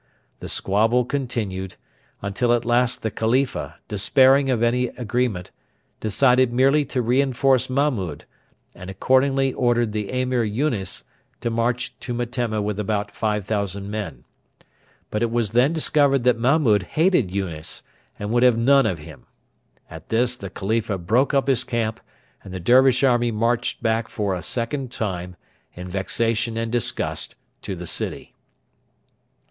The squabble continued, until at last the Khalifa, despairing of any agreement, decided merely to reinforce Mahmud, and accordingly ordered the Emir Yunes to march to Metemma with about 5,000 men. But it was then discovered that Mahmud hated Yunes, and would have none of him. At this the Khalifa broke up his camp, and the Dervish army marched back for a second time, in vexation and disgust, to the city.